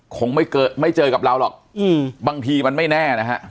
คงไม่เจอกับเธอหรอบางทีมันไม่แน่นะครับ